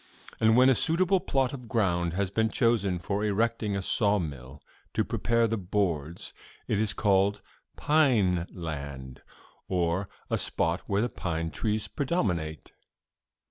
And when a suitable plot of ground has been chosen for erecting a saw mill,' to prepare the boards, 'it is called "pine land," or a spot where the pine trees predominate.